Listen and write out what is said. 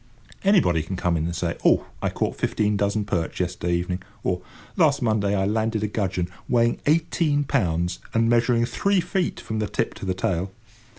Anybody can come in and say, "Oh, I caught fifteen dozen perch yesterday evening;" or "Last Monday I landed a gudgeon, weighing eighteen pounds, and measuring three feet from the tip to the tail."